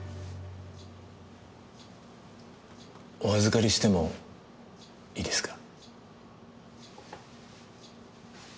お預かりしてもいいですか？